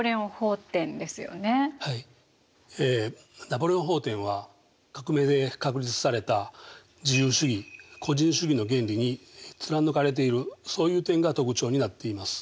「ナポレオン法典」は革命で確立された自由主義個人主義の原理に貫かれているそういう点が特徴になっています。